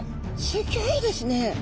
すギョいですね！